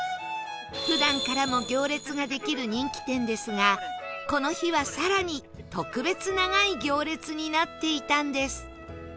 普段からも行列ができる人気店ですがこの日は更に特別長い行列になっていたんです